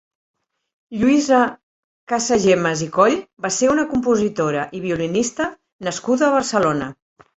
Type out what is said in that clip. Lluïsa Casagemas i Coll va ser una compositora i violinista nascuda a Barcelona.